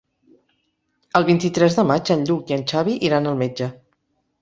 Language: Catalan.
El vint-i-tres de maig en Lluc i en Xavi iran al metge.